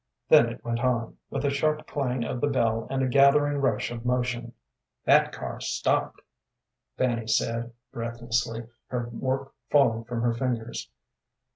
Then it went on, with a sharp clang of the bell and a gathering rush of motion. "That car stopped," Fanny said, breathlessly, her work falling from her fingers.